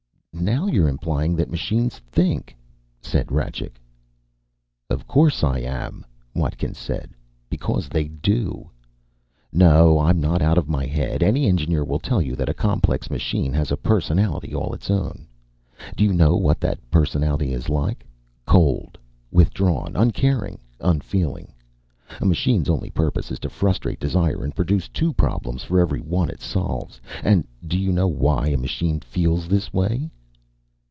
"Now you're implying that machines think," said Rajcik. "Of course I am," Watkins said. "Because they do! No, I'm not out of my head. Any engineer will tell you that a complex machine has a personality all its own. Do you know what that personality is like? Cold, withdrawn, uncaring, unfeeling. A machine's only purpose is to frustrate desire and produce two problems for every one it solves. And do you know why a machine feels this way?"